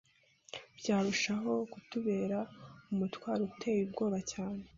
byarushaho kutubera umutwaro uteye ubwoba cyane